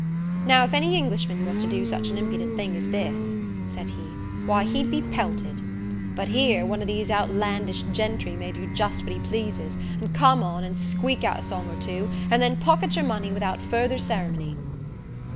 "Now, if any Englishman was to do such an impudent thing as this," said he, "why, he'd be pelted; but here, one of these outlandish gentry may do just what he pleases, and come on, and squeak out a song or two, and then pocket your money without further ceremony."